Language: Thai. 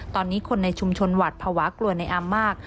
ตอนนี้คนในชุมชนหวัดภาวะกลัวในอามมาก